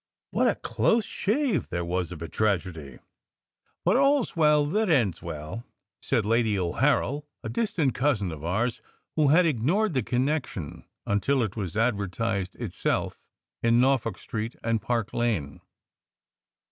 "What a close shave there was of a tragedy! But all s well that ends well," said Lady O Harrel, a distant cousin of ours who had ignored the connection until it advertised SECRET HISTORY 193 itself in Norfolk Street and Park Lane.